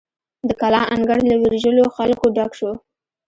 د کلا انګړ له ویرژلو خلکو ډک شو.